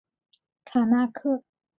卡那刻。